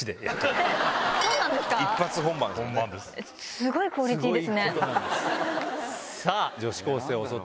すごいクオリティーですね。